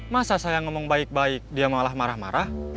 masa saya ngomong baik baik dia malah marah marah